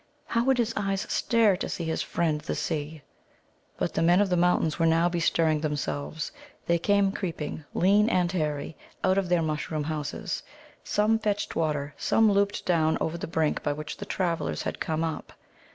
"How would his eyes stare to see his friend the sea!" But the Men of the Mountains were now bestirring themselves. They came creeping, lean and hairy, out of their mushroom houses. Some fetched water, some looped down over the brink by which the travellers had come up.